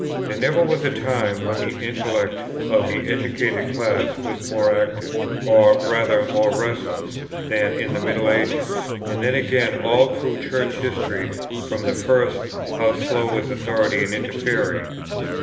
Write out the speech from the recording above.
There never was a time when the intellect of the educated class was more active, or rather more restless, than in the middle ages. And then again all through Church history from the first, how slow is authority in interfering!